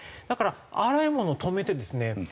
だからあらゆるものを止めてですね